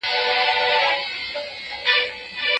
زکات د ټولني د بې ثباتۍ مخه نیسي.